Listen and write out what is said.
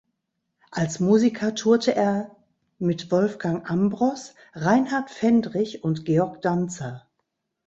Als Musiker tourte er mit Wolfgang Ambros, Rainhard Fendrich und Georg Danzer.